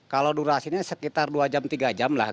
kalau durasinya sekitar dua jam tiga jam lah